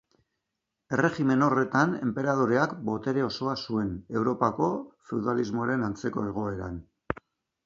Erregimen horretan, enperadoreak botere osoa zuen, Europako feudalismoaren antzeko egoeran.